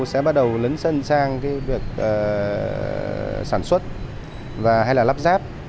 sẽ bắt đầu lấn sân sang việc sản xuất hay là lắp ráp